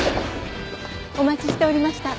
お待ちしておりました。